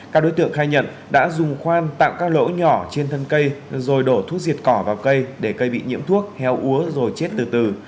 các đối tượng khai nhận đã dùng khoan tạo các lỗ nhỏ trên thân cây rồi đổ thuốc diệt cỏ vào cây để cây bị nhiễm thuốc héo úa rồi chết từ từ